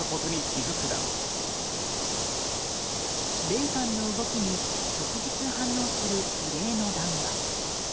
米韓の動きに即日反応する異例の談話。